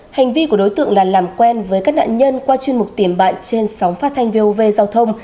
hành vi của đối tượng là làm quen với các nạn nhân qua chuyên mục tìm bạn trên sóng phát thanh vov giao thông